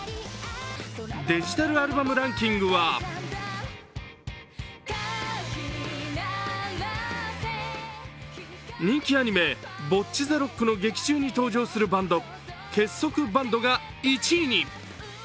デジタルアルバムランキングは人気アニメ「ぼっち・ざ・ろっく！」の劇中に登場するバンド、結束バンドが１位に。